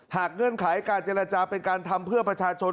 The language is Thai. เงื่อนไขการเจรจาเป็นการทำเพื่อประชาชน